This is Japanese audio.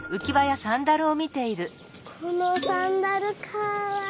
このサンダルかわいい！